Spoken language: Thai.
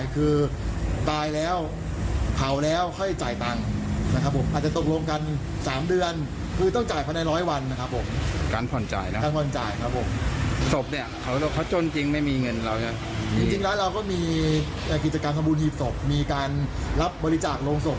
กิจกรรมสมบูรณ์หีบศพมีการรับบริจาคโรงศพ